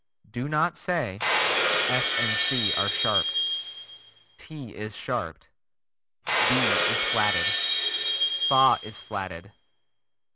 Do not say: "F and C are sharped," "ti is sharped," "B is flatted," "fa is flatted."